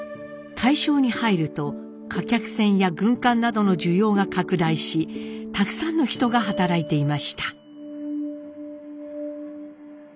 大正に入ると貨客船や軍艦などの需要が拡大したくさんの人が働いていました。